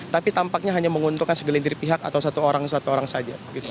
tapi tampaknya hanya menguntungkan segelintir pihak atau satu orang satu orang saja